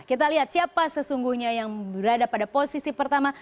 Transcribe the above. kita lihat siapa sesungguhnya yang berada pada posisi pertama